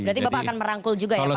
berarti bapak akan merangkul juga ya pak